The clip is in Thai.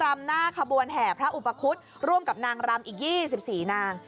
รำหน้าขบวนแห่พระอุปคุฎร่วมกับนางรำอีก๒๔นาง